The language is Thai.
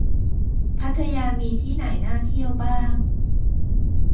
พัทยามีที่ไหนน่าเที่ยวบ้าง